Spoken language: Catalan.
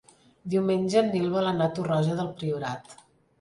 Diumenge en Nil vol anar a Torroja del Priorat.